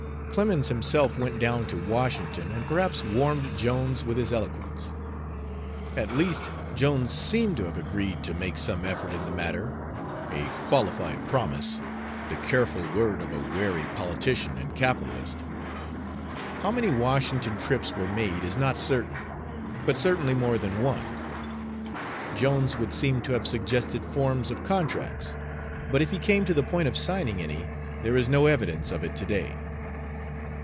Clemens himself went down to Washington and perhaps warmed Jones with his eloquence; at least, Jones seemed to have agreed to make some effort in the matter a qualified promise, the careful word of a wary politician and capitalist. How many Washington trips were made is not certain, but certainly more than one. Jones would seem to have suggested forms of contracts, but if he came to the point of signing any there is no evidence of it to day.